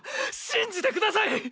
信じてください！